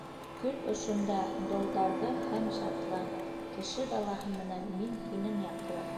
Көт ошонда дол-дарҙы һәм шатлан: кеше балаһы менән мин — һинең яҡлы.